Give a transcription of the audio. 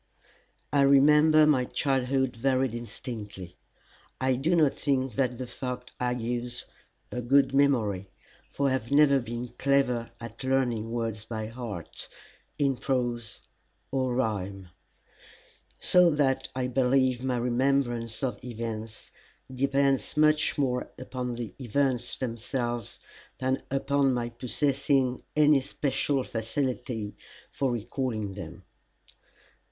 I I remember my childhood very distinctly. I do not think that the fact argues a good memory, for I have never been clever at learning words by heart, in prose or rhyme; so that I believe my remembrance of events depends much more upon the events themselves than upon my possessing any special facility for recalling them.